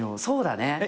そうだね。